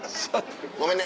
ごめんね。